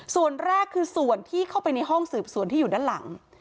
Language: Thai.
ส่วนแรกคือส่วนที่เข้าไปในห้องสืบสวนที่อยู่ด้านหลัง